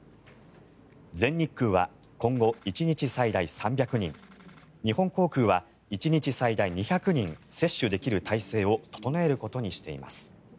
全日空は今後、１日最大３００人日本航空は１日最大２００人接種できる体制を整えることにしています。